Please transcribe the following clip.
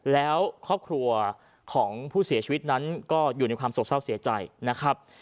แล้วครอบครัวของผู้เสียชีวิตนั้นก็อยู่ในความโศกเศร้าเสียใจนะครับ